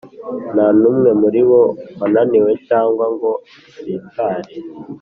Nta n’umwe muri bo wananiwe cyangwa ngo asitare,